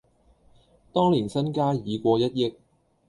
當年身家已過一憶